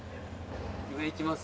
上行きます？